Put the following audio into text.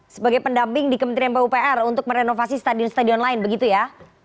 sebagai pendamping di kementerian pupr untuk merenovasi stadion stadion lain begitu ya